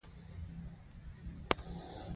شاه عالم د انګلیسیانو په لاس کې بې قدرته وو.